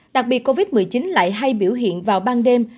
đặc biệt covid một mươi chín lại hay biểu hiện vào ban đêm